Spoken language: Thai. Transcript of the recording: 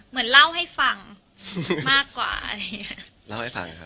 เหมือนเล่าให้ฟังมากกว่าอะไรอย่างนี้